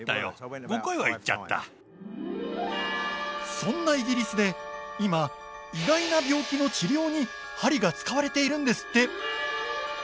そんなイギリスで今意外な病気の治療に鍼が使われているんですって。